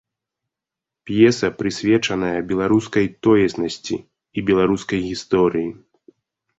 П'еса прысвечаная беларускай тоеснасці і беларускай гісторыі.